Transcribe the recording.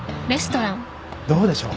どうでしょう？